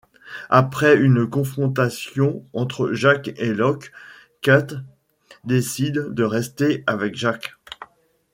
Après une confrontation entre Jack et Locke, Kate décide de rester avec Jack.